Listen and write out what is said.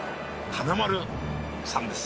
金丸さんです。